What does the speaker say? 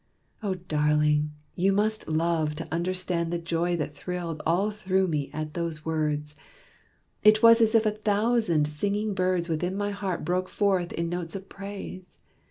Oh, darling, you must love, to understand The joy that thrilled all through me at those words. It was as if a thousand singing birds Within my heart broke forth in notes of praise.